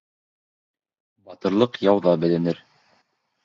Батырлыҡ яуҙа беленер